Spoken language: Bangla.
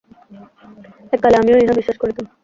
এককালে আমিও ইহা বিশ্বাস করিতাম।